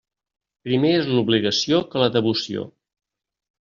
Primer és l'obligació que la devoció.